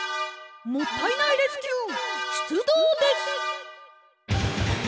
もったいないレスキューしゅつどうです！